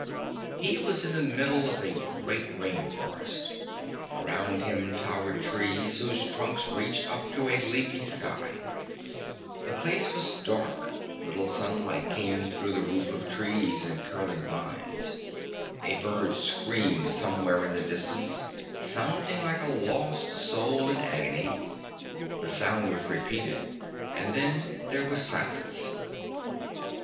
He was in the middle of a great rain forest. Around him towered trees whose great trunks reached up to a leafy sky. The place was dark; little sunlight came through the roof of leaves and curling vines. A bird screamed somewhere in the distance, sounding like a lost soul in agony; the sound was repeated, and then there was silence.